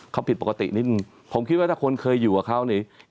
เขาผิดปกตินิดนึงผมคิดว่าถ้าคนเคยอยู่กับเขานี่